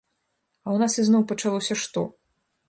А ў нас ізноў пачалося што?